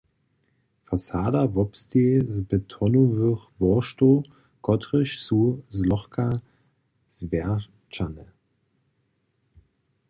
Fasada wobsteji z betonowych worštow, kotrež su zlochka zwjerćane.